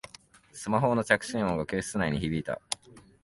スマホの着信音が教室内に響いた